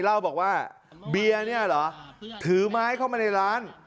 เล่าบอกว่าเบียร์เนี่ยเหรอถือไม้เข้ามาในร้าน